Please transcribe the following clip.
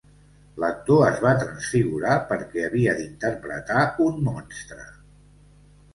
L'actor es va transfigurar perquè havia d'interpretar un monstre.